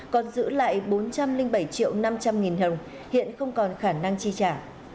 còn giữ lại bốn trăm linh bảy triệu năm trăm linh nghìn đồng hiện không còn khả năng chi trả